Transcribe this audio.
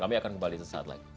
kami akan kembali di saat lain